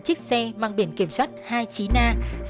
chiếc xe mang biển kiểm soát hai mươi chín a